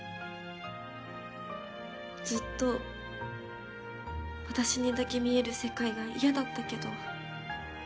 ずっと私にだけ見える世界が嫌だったけど。